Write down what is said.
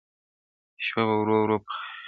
شپه په ورو ورو پخېدلای-